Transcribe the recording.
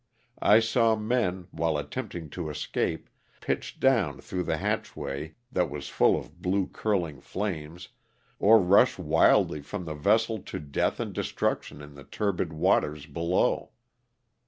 I saw men, while attempting to escape, pitch down through the hatchway that was full of blue curling flimes, or rush wildly from the vessel to death and destruction in the turbid waters below.